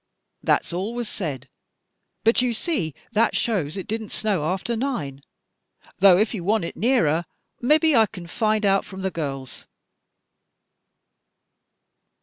That's all was said. But you see that shows it did n't snow after nine, tho' ef you want it nearer, mebbe I kin find out from the girls."